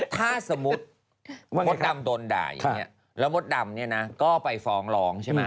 ถ้าสมมุติมดด่ามาแล้วบดดำก็ไปฟองร้องใช่ไหม